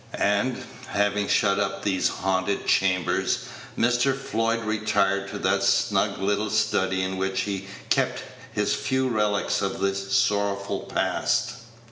And, having shut up these haunted chambers, Mr. Floyd retired to that snug little study in which he kept his few relics of the sorrowful past.